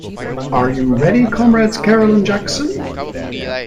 Are you ready, Comrades Carroll and Jackson?